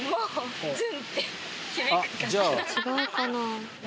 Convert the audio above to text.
違うかな？